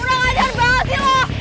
udah ngajar banget sih lo